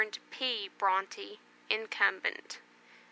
P. BRONTE, INCUMBENT.